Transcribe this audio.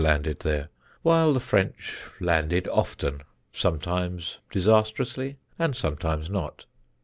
landed there, while the French landed often, sometimes disastrously and sometimes not.